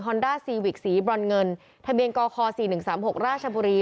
ฮอนดาซีวิกสีบรรเงินทะเบียงกขสี่หนึ่งสามหกราชบุรี